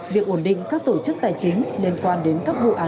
việc ổn định các tổ chức tài chính liên quan đến các vấn đề chất vấn